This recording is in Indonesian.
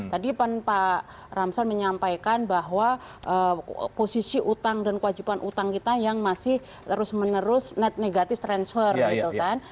tadi pak ramson menyampaikan bahwa posisi utang dan kewajiban utang kita yang masih terus menerus net negative transfer gitu kan